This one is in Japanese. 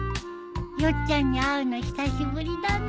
ヨッちゃんに会うの久しぶりだな。